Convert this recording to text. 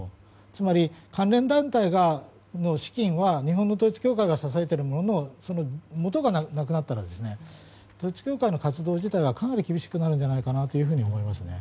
つまり関連団体の資金は日本の統一教会が支えてるもののその元がなくなったら統一教会の活動自体はかなり厳しくなるんじゃないかと思いますね。